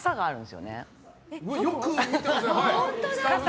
よく見てますね。